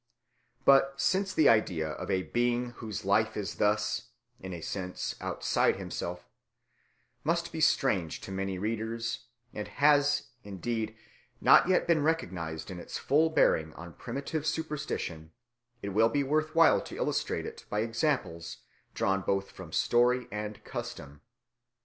But since the idea of a being whose life is thus, in a sense, outside himself, must be strange to many readers, and has, indeed, not yet been recognised in its full bearing on primitive superstition, it will be worth while to illustrate it by examples drawn both from story and custom.